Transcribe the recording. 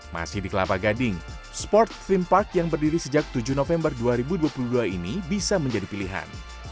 masih di kelapa gading sport free park yang berdiri sejak tujuh november dua ribu dua puluh dua ini bisa menjadi pilihan